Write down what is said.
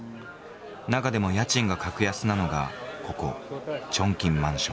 中でも家賃が格安なのがここチョンキンマンション。